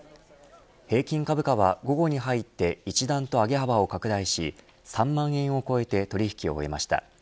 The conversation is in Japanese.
平均株価は午後に入って一段と上げ幅を拡大し３万円を超えて取引を終えました。